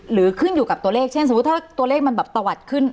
ขึ้นอยู่กับตัวเลขเช่นสมมุติถ้าตัวเลขมันแบบตะวัดขึ้น